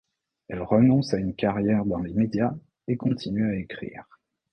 Elle renonce à une carrière dans les médias et continue à écrire.